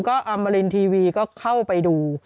ก็อมรินทีวีก็เข้าไปดู